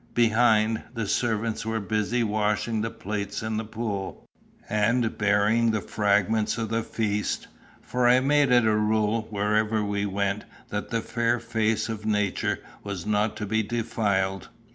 Behind, the servants were busy washing the plates in a pool, and burying the fragments of the feast; for I made it a rule wherever we went that the fair face of nature was not to be defiled.